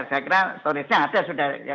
saya kira storage nya ada sudah ya